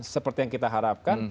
seperti yang kita harapkan